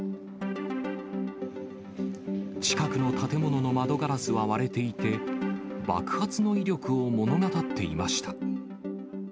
近くの建物の窓ガラスは割れていて、爆発の威力を物語っていました。